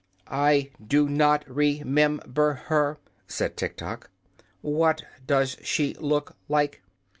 "I do not re mem ber her," said Tiktok. "What does she look like?"